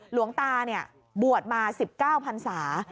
หลวงตาบวชมา๑๙พันศา